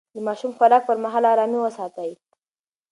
د ماشوم د خوراک پر مهال ارامي وساتئ.